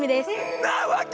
「んなわけ！